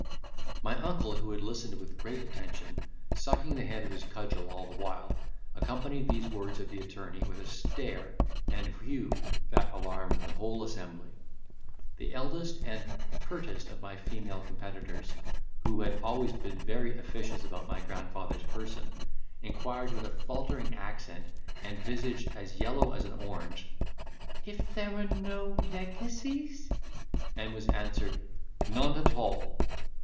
My uncle, who had listened with great attention, sucking the head of his cudgel all the while, accompanied these words of the attorney with a stare, and whew, that alarmed the whole assembly. The eldest and pertest of my female competitors, who had been always very officious about my grandfather's person, inquired, with a faltering accent and visage as yellow as an orange, "if there were no legacies?" and was answered, "None at all."